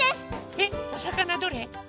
えっおさかなどれ？